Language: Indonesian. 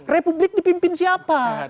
republik dipimpin siapa